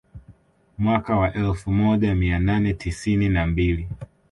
Mwaka wa elfu moja mia nane tisini na mbili